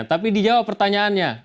tapi dijawab pertanyaannya